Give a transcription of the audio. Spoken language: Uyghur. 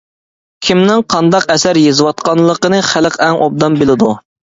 كىمنىڭ قانداق ئەسەر يېزىۋاتقانلىقىنى خەلق ئەڭ ئوبدان بىلىدۇ.